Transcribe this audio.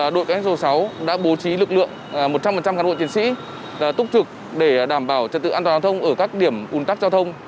đội cảnh sát số sáu đã bố trí lực lượng một trăm linh cán bộ chiến sĩ túc trực để đảm bảo trật tự an toàn giao thông ở các điểm ủn tắc giao thông